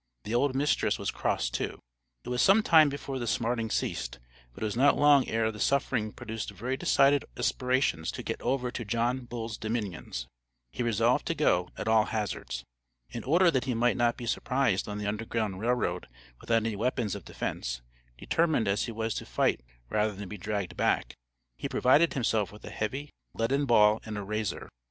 The old mistress was cross too." It was some time before the smarting ceased, but it was not long ere the suffering produced very decided aspirations to get over to John Bull's Dominions. He resolved to go, at all hazards. In order that he might not be surprised on the Underground Rail Road without any weapons of defense, determined as he was to fight rather than be dragged back, he provided himself with a heavy, leaden ball and a razor.